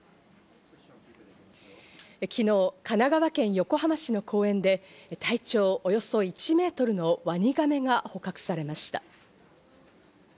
昨日、神奈川県横浜市の公園で体長およそ１メートルのワニガメが捕獲されました。